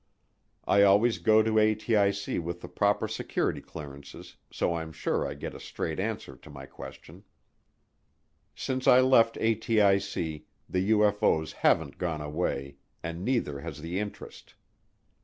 I always go to ATIC with the proper security clearances so I'm sure I get a straight answer to my question. Since I left ATIC, the UFO's haven't gone away and neither has the interest.